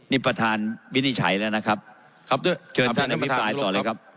นี่ประธานวินิจฉัยแล้วนะครับครับด้วยเชิญท่านอภิปรายต่อเลยครับ